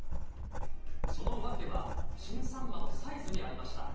その訳は、新サンマのサイズにありました。